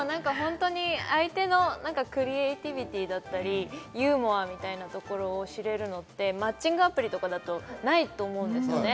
相手のクリエイティビティーだったり、ユーモアみたいなところを知れるのってマッチングアプリとかだと、ないと思うんですよね。